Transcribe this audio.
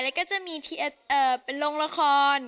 แล้วก็จะมีลงละคร